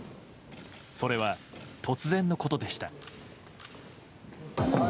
それは突然のことでした。